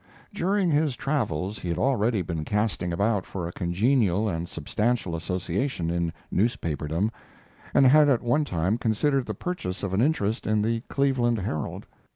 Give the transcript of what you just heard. During his travels he had already been casting about for a congenial and substantial association in newspaperdom, and had at one time considered the purchase of an interest in the Cleveland Herald.